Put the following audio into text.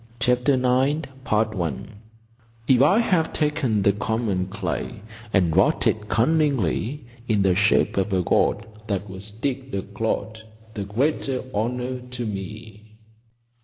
CHAPTER IX "If I have taken the common clay And wrought it cunningly In the shape of a god that was digged a clod, The greater honour to me."